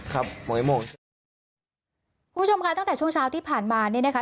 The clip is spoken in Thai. คุณผู้ชมค่ะตั้งแต่ช่วงเช้าที่ผ่านมาเนี่ยนะคะ